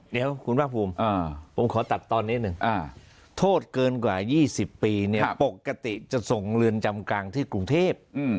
เดี๋ยวคุณภาคภูมิผมขอตัดตอนนี้หนึ่งโทษเกินกว่า๒๐ปีเนี่ยปกติจะส่งเรือนจำกลางที่กรุงเทพ